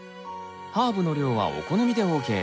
ハーブの量はお好みでＯＫ。